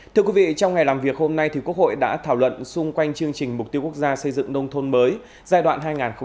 thưa quý vị trong ngày làm việc hôm nay quốc hội đã thảo luận xung quanh chương trình mục tiêu quốc gia xây dựng nông thôn mới giai đoạn hai nghìn một mươi sáu hai nghìn hai mươi